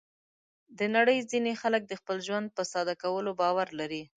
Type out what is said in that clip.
د نړۍ ځینې خلک د خپل ژوند په ساده کولو باور لري.